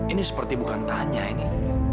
ini seperti bukan tanya ini